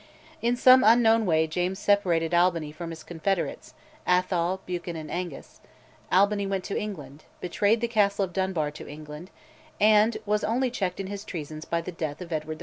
In some unknown way James separated Albany from his confederates Atholl, Buchan, and Angus; Albany went to England, betrayed the Castle of Dunbar to England, and was only checked in his treasons by the death of Edward IV.